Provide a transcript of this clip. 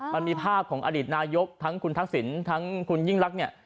มันมีภาพของอดีตนายกทั้งคุณทักษิณทั้งคุณยิ่งรักเนี่ย